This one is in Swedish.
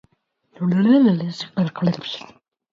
Marken skulle vara hans och ingen annans.